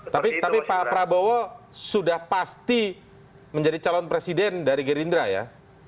tapi pak prabowo sudah pasti menjadi calon presiden dari gerindra ya